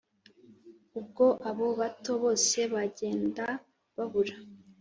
ubwo abo bato bose bagenda babura